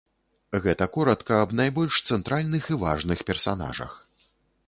Гэта коратка аб найбольш цэнтральных і важных персанажах.